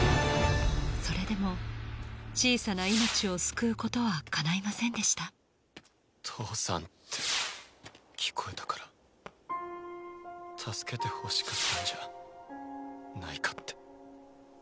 それでも小さな命を救うことはかないませんでした「父さん」って聞こえたから助けてほしかったんじゃないかって。